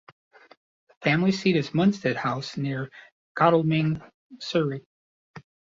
The family seat is Munstead House, near Godalming, Surrey.